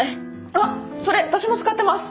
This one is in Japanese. あっそれ私も使ってます！